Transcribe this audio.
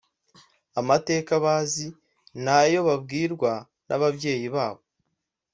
amateka bazi ni ayo babwirwa n’ababyeyi babo